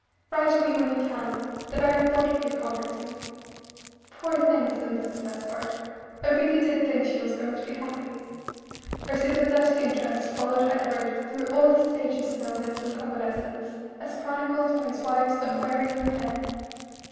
Write to me when you can. The very thought of you comforts me." "Poor thing," said Mrs. Despard, "I really did think she was going to be happy." Her sympathetic interest followed Edward through all the stages of illness and convalescence, as chronicled by his wife's unwearying pen.